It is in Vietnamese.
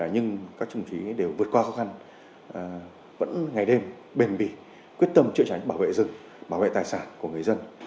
nhưng các đồng chí đều vượt qua khó khăn vẫn ngày đêm bền bỉ quyết tâm chữa cháy bảo vệ rừng bảo vệ tài sản của người dân